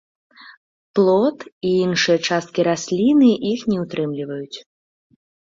Плод і іншыя часткі расліны іх не ўтрымліваюць.